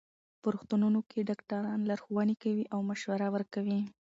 په روغتونونو کې ډاکټران لارښوونې کوي او مشوره ورکوي.